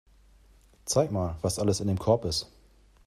Zeig mal, was alles in dem Korb ist.